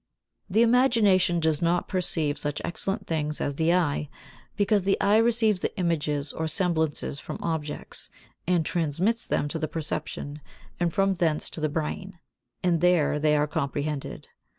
The imagination does not perceive such excellent things as the eye, because the eye receives the images or semblances from objects, and transmits them to the perception, and from thence to the brain; and there they are comprehended.